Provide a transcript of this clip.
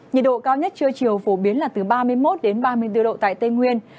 nhiệt độ cao nhất trưa chiều phổ biến là từ ba mươi một đến ba mươi bốn độ tại tây nguyên